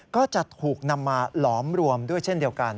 ก็จะถูกนำมาหลอมรวมด้วยเช่นเดียวกัน